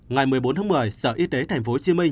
ngày một mươi bốn tháng một mươi sở y tế tp hcm